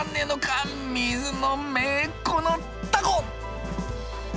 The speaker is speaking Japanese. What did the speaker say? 水野めこのタコ！」。